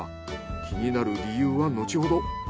気になる理由は後ほど。